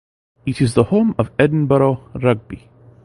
It is the home of Edinburgh Rugby.